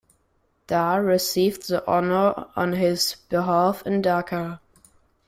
Dhar received the honour on his behalf in Dhaka.